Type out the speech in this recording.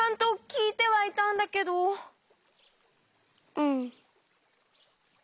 うん。